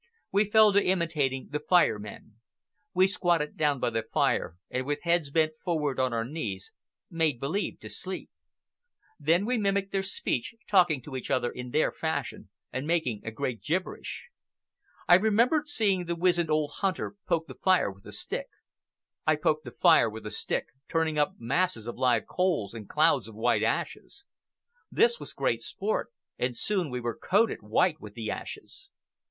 We fell to imitating the Fire Men. We squatted down by the fire, and with heads bent forward on our knees, made believe to sleep. Then we mimicked their speech, talking to each other in their fashion and making a great gibberish. I remembered seeing the wizened old hunter poke the fire with a stick. I poked the fire with a stick, turning up masses of live coals and clouds of white ashes. This was great sport, and soon we were coated white with the ashes.